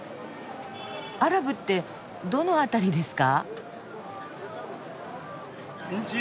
アラブってどの辺りですか？